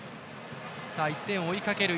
１点を追いかける